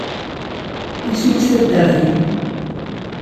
Isem-nnes taddart-nnem?